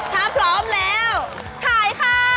ถ้าพร้อมแล้วถ่ายค่ะ